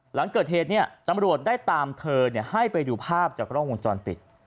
หลังเกิดเหตุตำรวจได้ตามเธอให้ไปดูภาพจากกล้องวงจรปิด